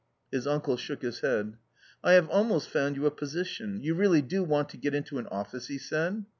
His uncle shook his head. " I have almost found you a position ; you really do want to get into an office ?" he said.